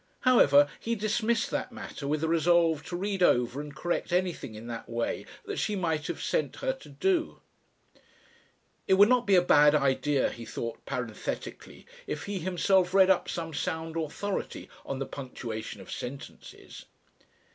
However, he dismissed that matter with a resolve to read over and correct anything in that way that she might have sent her to do. It would not be a bad idea, he thought parenthetically, if he himself read up some sound authority on the punctuation of sentences.